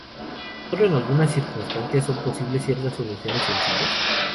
Solo en algunas circunstancias son posibles ciertas soluciones sencillas.